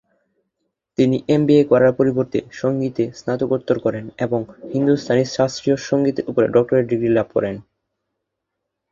তিনি এমবিএ করার পরিবর্তে সংগীতে স্নাতকোত্তর করেন এবং হিন্দুস্তানি শাস্ত্রীয় সংগীতের উপরে ডক্টরেট ডিগ্রি লাভ করেন।